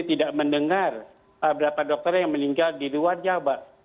tidak mendengar berapa dokter yang meninggal di luar jawa